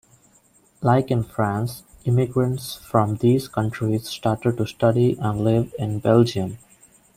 Like in France, immigrants from these countries started to study and live in Belgium.